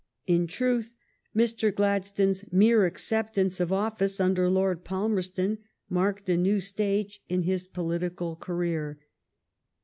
In truth, Mr. Gladstone's mere acceptance of office under Lord Palmerston marked a new stage in his political career.